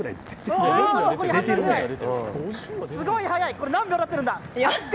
これ何秒になっているんだ！